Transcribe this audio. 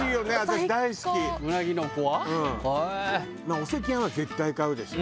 お赤飯は絶対買うでしょ。